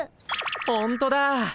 ほんとだ。